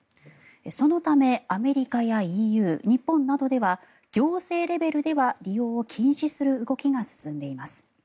そのためアメリカやＥＵ、日本などでは行政レベルでは利用を禁止する動きが進んでいます。